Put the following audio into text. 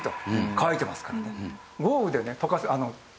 乾いてますからね。